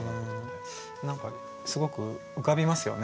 何かすごく浮かびますよね